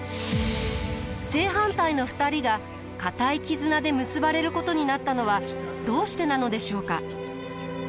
正反対の２人が固い絆で結ばれることになったのはどうしてなのでしょうか？